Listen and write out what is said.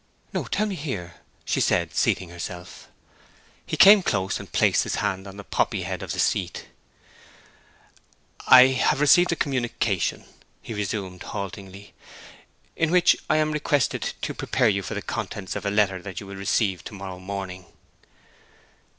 'No, tell me here,' she said, seating herself. He came close, and placed his hand on the poppy head of the seat. 'I have received a communication,' he resumed haltingly, 'in which I am requested to prepare you for the contents of a letter that you will receive to morrow morning.'